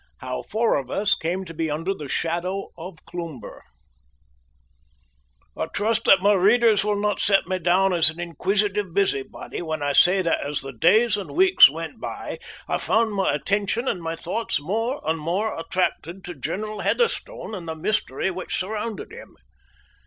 HOW FOUR OF US CAME TO BE UNDER THE SHADOW OF CLOOMBER I trust that my readers will not set me down as an inquisitive busybody when I say that as the days and weeks went by I found my attention and my thoughts more and more attracted to General Heatherstone and the mystery which surrounded him.